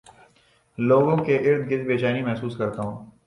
لوگوں کے ارد گرد بے چینی محسوس کرتا ہوں